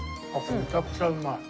めちゃくちゃうまい。